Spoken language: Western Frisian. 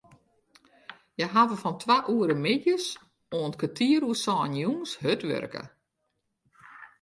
Hja hawwe fan twa oere middeis oant kertier oer sânen jûns hurd wurke.